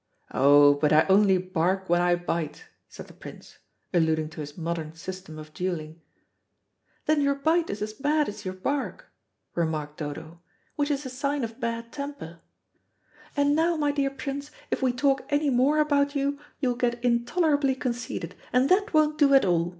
"Oh, but I only bark when I bite," said the Prince, alluding to his modern system of duelling. "Then your bite is as bad as your bark," remarked Dodo, "which is a sign of bad temper. And now, my dear Prince, if we talk any more about you, you will get intolerably conceited, and that won't do at all.